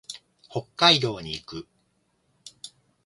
北海道に行く。